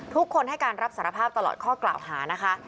ทุกคนให้การรับสารภาพตลอดข้อกล่าวหานะคะ